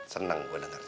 seneng gue dengarnya